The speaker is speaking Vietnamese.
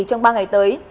trong ba ngày tới